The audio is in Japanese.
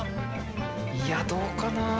いや、どうかな。